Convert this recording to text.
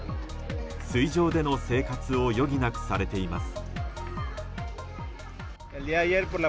水上での生活を余儀なくされています。